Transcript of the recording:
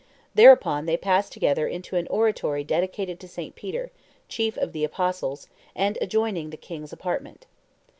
Thereupon they pass together into an oratory dedicated to St. Peter, chief of the apostles, and adjoining the king's apartment.